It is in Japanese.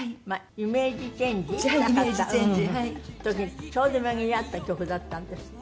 イメージチェンジしたかった時にちょうど巡り合った曲だったんですって？